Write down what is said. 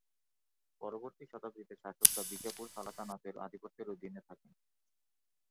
পরবর্তী শতাব্দীতে শাসকরা বিজাপুর সালতানাতের আধিপত্যের অধীনে থাকেন।